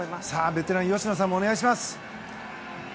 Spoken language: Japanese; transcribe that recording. ベテラン吉野さんもお願いします。